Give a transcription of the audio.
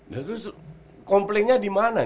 dan terus komplainnya dimana